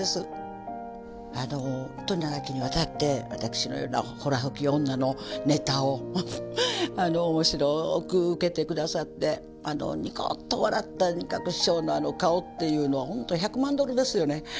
あのほんとに長きにわたって私のようなほら吹き女のネタを面白くウケて下さってニコッと笑った仁鶴師匠のあの顔っていうのはほんと１００万ドルですよね。